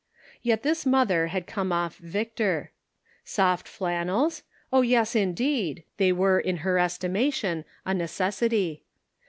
Yet this mother had come off victor. Soft flannels ? Oh, yes, indeed ! they were in her estimation a necessity.